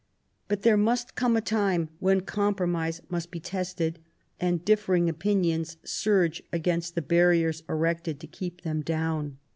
But there must come a time when compromise must be tested, and differing opinions surge against the barriers erected to keep them down.